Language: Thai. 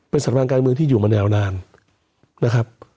เป็นสำราญการเมืองที่อยู่มาแนวนานนะครับ